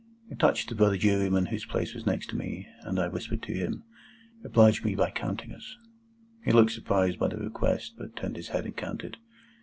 I touched the brother jurymen whose place was next me, and I whispered to him, "Oblige me by counting us." He looked surprised by the request, but turned his head and counted.